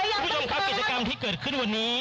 คุณผู้ชมครับกิจกรรมที่เกิดขึ้นวันนี้